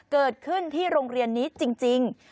เกิดขึ้นที่โรงเรียนนี้จริง